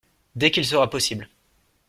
Dès qu’il sera possible.